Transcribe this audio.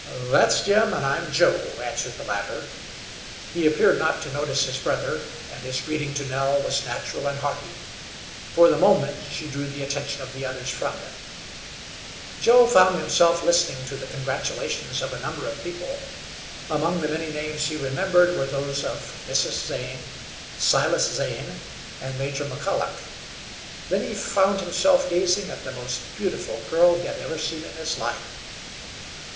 "That's Jim, and I'm Joe," answered the latter. He appeared not to notice his brother, and his greeting to Nell was natural and hearty. For the moment she drew the attention of the others from them. Joe found himself listening to the congratulations of a number of people. Among the many names he remembered were those of Mrs. Zane, Silas Zane, and Major McColloch. Then he found himself gazing at the most beautiful girl he had ever seen in his life.